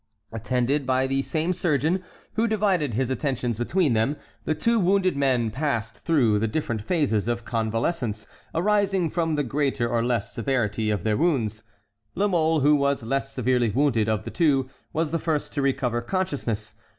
Attended by the same surgeon, who divided his attentions between them, the two wounded men passed through the different phases of convalescence arising from the greater or less severity of their wounds. La Mole, who was less severely wounded of the two, was the first to recover consciousness.